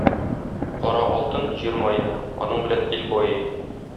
Кара алтын — җир мае, аның белән ил байый.